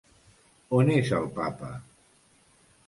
On és el Papa?